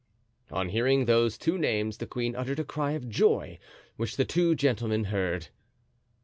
On hearing those two names the queen uttered a cry of joy, which the two gentlemen heard.